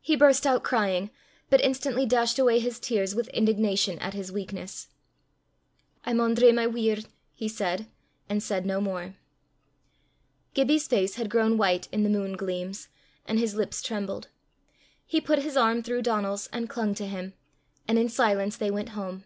He burst out crying, but instantly dashed away his tears with indignation at his weakness. "I maun dree my weird," (undergo my doom), he said, and said no more. Gibbie's face had grown white in the moon gleams, and his lips trembled. He put his arm through Donal's and clung to him, and in silence they went home.